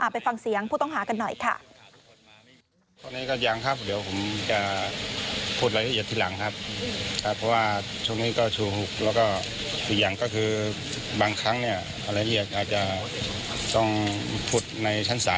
ไปฟังเสียงผู้ต้องหากันหน่อยค่ะ